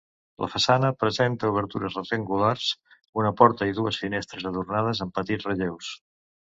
La façana presenta obertures rectangulars: una porta i dues finestres adornades amb petits relleus.